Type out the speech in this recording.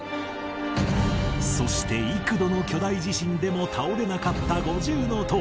そして幾度の巨大地震でも倒れなかった五重塔